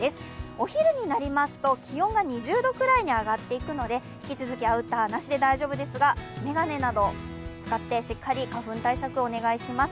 お昼になりますと、気温が２０度くらいに上がっていくので引き続きアウターなしで大丈夫ですか、眼鏡など使ってしっかり花粉対策をお願いします。